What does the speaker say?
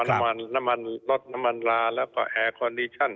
น้ำมันลดน้ำมันลาแล้วก็แออีคคอนดีชัน